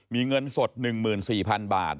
มีเงินสด๑๔๐๐๐บาท